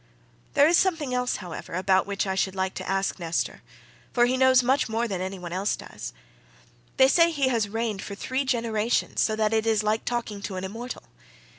There is something else, however, about which I should like to ask Nestor, for he knows much more than any one else does. They say he has reigned for three generations so that it is like talking to an immortal.